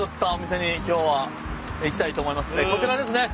こちらですね。